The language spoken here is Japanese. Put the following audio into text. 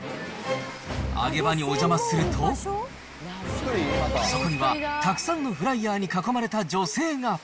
揚げ場にお邪魔すると、そこにはたくさんのフライヤーに囲まれた女性が。